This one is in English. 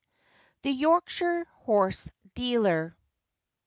THE YORKSHIRE HORSE DEALER.